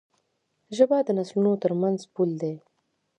ژبه د نسلونو ترمنځ پُل دی.